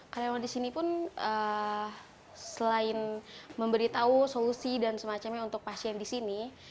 karyawan di sini pun selain memberitahu solusi dan semacamnya untuk pasien di sini